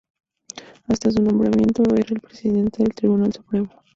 Hasta su nombramiento era el presidente del Tribunal Supremo.